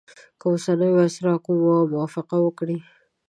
که اوسنی وایسرا کومه موافقه وکړي.